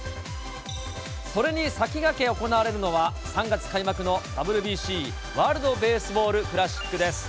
それに先駆け行われるのは、３月開幕のＷＢＣ・ワールドベースボールクラシックです。